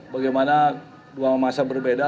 bagaimana dua masa berbeda